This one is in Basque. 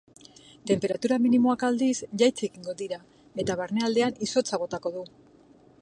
Tenperatura minimoak aldiz, jaitsi egingo dira eta barnealdean izotza botako du.